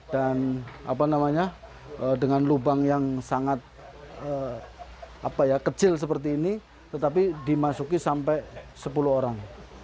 dan apa namanya dengan lubang yang sangat kecil seperti ini tetapi dimasuki sampai sepuluh orang